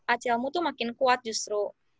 acl mu tuh makin kuat justru